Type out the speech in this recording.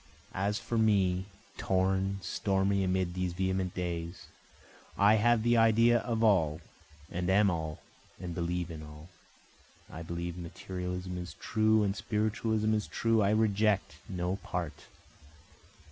As for me, (torn, stormy, amid these vehement days,) I have the idea of all, and am all and believe in all, I believe materialism is true and spiritualism is true, I reject no part.